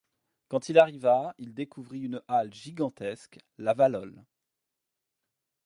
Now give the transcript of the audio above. Quand il arriva, il découvrit une halle gigantesque, la Valhöll.